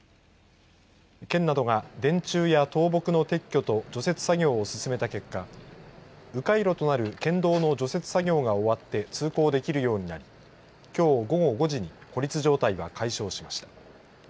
県などが電柱や倒木の撤去と除雪作業を進めた結果、う回路となる県道の除雪作業が終わって通行できるようになりきょう午後５時に孤立状態は解消しました。